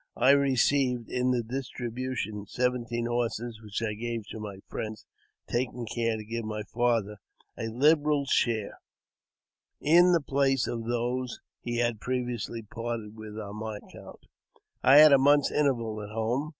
I received, in the distribution, seventeen' horses, which I gave to my friends, taking care to give myj father a liberal share, in the place of those he had previously] parted with on my account. I had a month's interval at home.